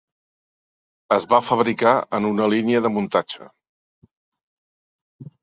Es va fabricar en una línia de muntatge.